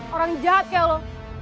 orang jahat kayak lo